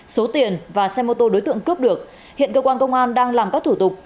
số tiền và xe mô tô đối tượng cướp được hiện cơ quan công an đang làm các thủ tục